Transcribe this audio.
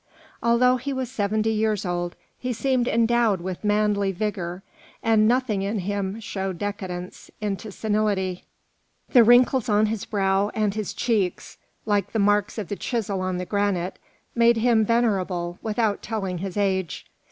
Although he was seventy years old, he seemed endowed with manly vigour, and nothing in him showed decadence into senility. The wrinkles on his brow and his cheeks, like the marks of the chisel on the granite, made him venerable without telling his age.